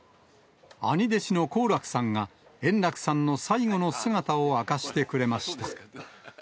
兄弟子の好楽さんが、円楽さんの最後の姿を明かしてくれました。